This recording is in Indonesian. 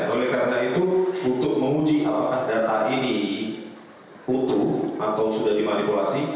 oleh karena itu untuk menguji apakah data ini utuh atau sudah dimanipulasi